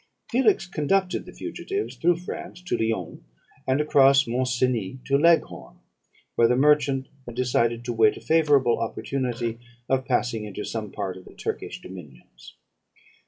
"Felix conducted the fugitives through France to Lyons, and across Mont Cenis to Leghorn, where the merchant had decided to wait a favourable opportunity of passing into some part of the Turkish dominions.